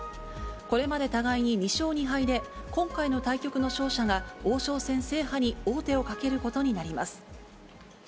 これまで互いに２勝２敗で、今回の対局の勝者が王将戦制覇に王手をかけることになります。